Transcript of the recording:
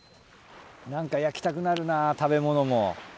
何か焼きたくなるな食べ物も。